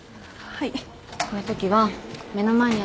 はい。